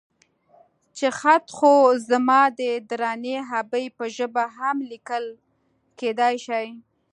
چې خط خو زما د درنې ابۍ په ژبه هم ليکل کېدای شي.